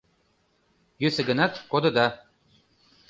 Йӧсӧ гынат, кодыда.